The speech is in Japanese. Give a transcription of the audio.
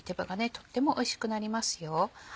とってもおいしくなりますよ。